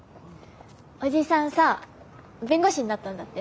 おじさんさ弁護士になったんだってね。